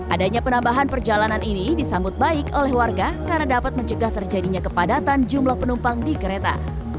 adanya penambahan perjalanan ini disambut baik oleh warga karena dapat mencegah terjadinya kepadatan jumlah penumpang di kereta